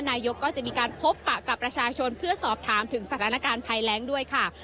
นายกก็จะมีการพบปะกับประชาชนเพื่อสอบถามถึงสถานการณ์ภัยแรงด้วยค่ะ